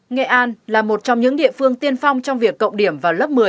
nghệ an là một trong những địa phương tiên phong trong việc cộng điểm vào lớp một mươi